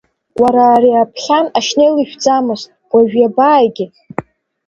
Уара ари аԥхьан ашьнел ишәӡамызт, уажә иабааигеи?